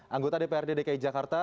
anggota dprd dki jakarta